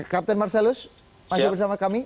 captain marselus masih bersama kami